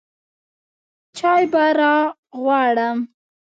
چاى به راغواړم.